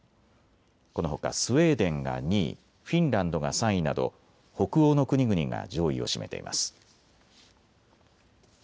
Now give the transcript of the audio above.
このほかスウェーデンが２位、フィンランドが３位など北欧の国々が上位を占めています。